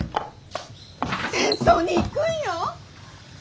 戦争に行くんよ！？